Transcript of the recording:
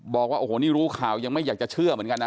บอกว่าโอ้โหนี่รู้ข่าวยังไม่อยากจะเชื่อเหมือนกันนะ